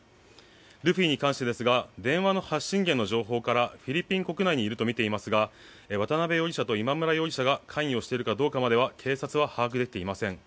ルフィに関しては電話の発信源の情報からフィリピン国内にいるとみていますが渡邉容疑者と今村容疑者が関与しているかどうかまでは警察は把握できていません。